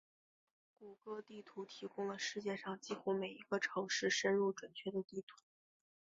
谷歌地图提供了世界上几乎每一个城市深入准确的地图。